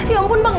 ya ampun bang